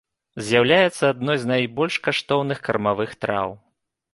З'яўляецца адной з найбольш каштоўных кармавых траў.